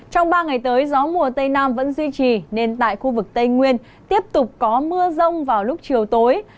trong ba ngày tới gió mùa tây nam vẫn duy trì nên tại khu vực tây nguyên tiếp tục có mưa rông vào lúc chiều tối